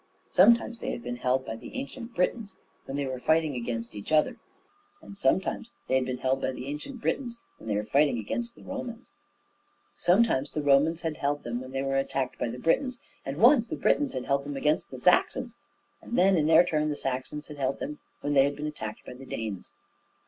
Sometimes they had been held by the ancient Britons when they were fighting against each other; and sometimes they had been held by the ancient Britons when they were fighting against the Romans. Sometimes the Romans had held them when they were attacked by the Britons, and once the Britons had held them against the Saxons; and then in their turn the Saxons had held them when they had been attacked by the Danes.